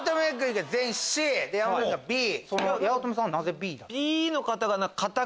八乙女さんはなぜＢ？